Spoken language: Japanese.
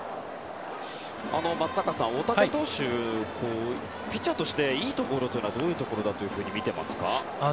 松坂さん、大竹投手はピッチャーとしていいところはどういうところだと見ていますか？